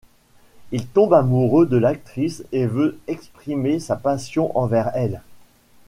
Il tombe amoureux de l’actrice et veut exprimer sa passion envers elle.